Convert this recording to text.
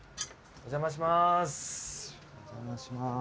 お邪魔します。